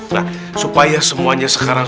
nah supaya semuanya sekarang